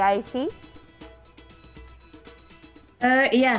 berarti kegiatannya nanti rencana perayaan hari raya idul fitri komunitas indonesia ya